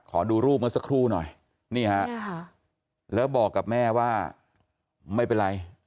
ขอดูรูปเมื่อสักครู่หน่อยนี่ฮะแล้วบอกกับแม่ว่าไม่เป็นไร